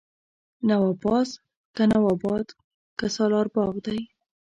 نواپاس، که نواباد که سالار باغ دی